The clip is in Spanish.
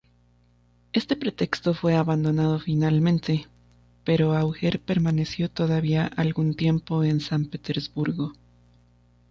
Este pretexto fue abandonado finalmente, pero Auger permaneció todavía algún tiempo en San Petersburgo.